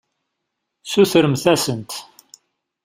Sutremt-asent.